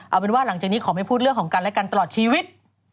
เอาเป็นว่าหลังจากนี้ขอไม่พูดเรื่องของกันและกันตลอดชีวิต